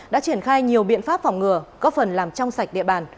đã triển khai nhiều biện pháp phòng ngừa góp phần làm trong sạch địa bàn